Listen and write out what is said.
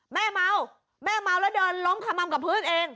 แม่เมาแม่เมาแล้วเดินล้มขม่ำกับพื้นเอง